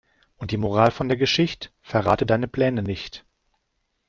Und die Moral von der Geschicht': Verrate deine Pläne nicht.